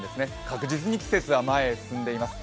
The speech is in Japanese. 確実に季節は前へ進んでいます。